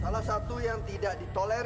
salah satu yang tidak ditoler